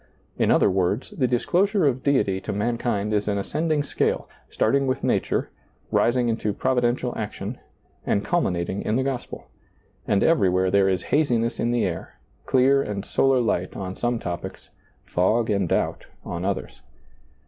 In other words, the disclosure of Deity to mankind is an ascending scale, starting with nature, rising into providential action, and culminating in the gospel; and everywhere there is haziness in the air, clear and solar light on some topics, fog and doubt on others.